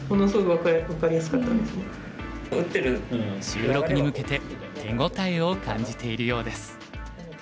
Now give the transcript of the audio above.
収録に向けて手応えを感じているようです。